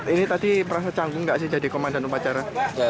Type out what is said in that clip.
ini tadi merasa canggung gak sih jadi komandan upacara